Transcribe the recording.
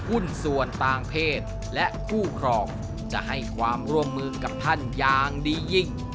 หุ้นส่วนต่างเพศและคู่ครองจะให้ความร่วมมือกับท่านอย่างดียิ่ง